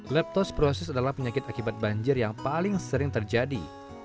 leptosprosis adalah penyakit akibat banjir yang paling sering terjadi